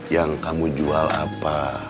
yang kamu jual apa